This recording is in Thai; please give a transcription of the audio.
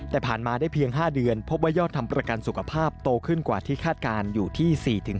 แต่ผ่านมาได้เพียง๕เดือนพบว่ายอดทำประกันสุขภาพโตขึ้นกว่าที่คาดการณ์อยู่ที่๔๕